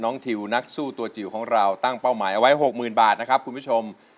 ทิวนักสู้ตัวจิ๋วของเราตั้งเป้าหมายเอาไว้๖๐๐๐บาทนะครับคุณผู้ชม